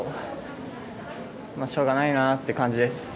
しょうがないなって感じです。